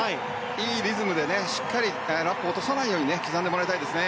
いいリズムでしっかりとラップを落とさないように刻んでもらいたいですね。